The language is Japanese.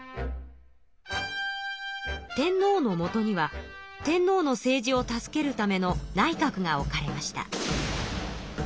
天皇のもとには天皇の政治を助けるための内閣が置かれました。